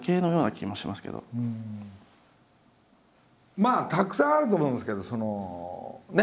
まあたくさんあると思うんですけどそのね